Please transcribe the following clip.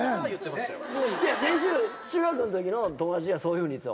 先週中学の時の友達がそういうふうに言ってた。